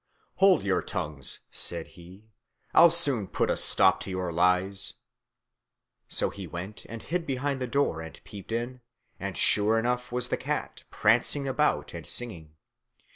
"Hold your tongues," said he, "I'll soon put a stop to your lies." So he went and hid behind the door and peeped in, and there sure enough was the cat prancing about and singing.